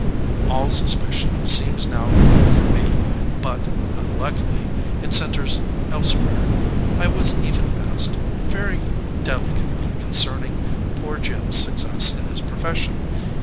"All suspicion seems now removed from me, but, unluckily, it centers elsewhere. I was even asked very delicately concerning poor Jim s success in his profession.